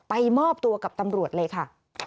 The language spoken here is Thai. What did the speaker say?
มอบตัวกับตำรวจเลยค่ะ